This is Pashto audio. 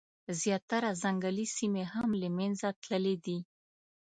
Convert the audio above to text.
زیاتره ځنګلي سیمي هم له منځه تللي دي.